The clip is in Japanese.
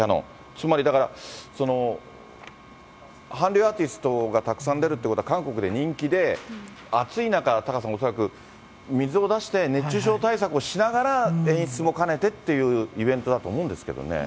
つまりだから、韓流アーティストがたくさん出るということは、韓国で人気で、暑い中、タカさん、恐らく水を出して、熱中症対策をしながら、演出も兼ねてっていうイベントだと思うんですけどね。